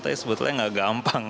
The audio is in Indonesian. tapi sebetulnya nggak gampang